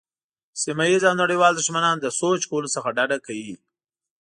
سیمه ییز او نړیوال دښمنان له سوچ کولو څخه ډډه کوي.